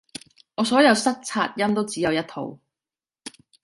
我所有塞擦音都只有一套